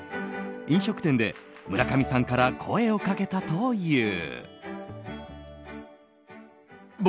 飲食店で村上さんから声をかけたという。